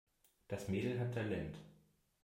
Das Mädel hat Talent.